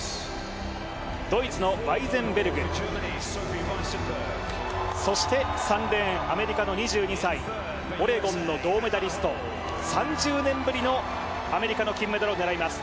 ドイツのワイゼンベルグ、そして３レーン、アメリカの２２歳、オレゴンの銅メダリスト３０年ぶりのアメリカの金メダルを狙います